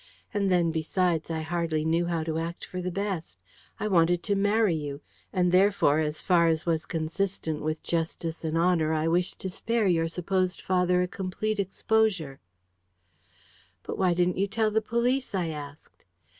And then, besides, I hardly knew how to act for the best. I wanted to marry you; and therefore, as far as was consistent with justice and honour, I wished to spare your supposed father a complete exposure." "But why didn't you tell the police?" I asked.